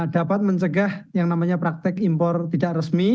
dapat mencegah yang namanya praktek impor tidak resmi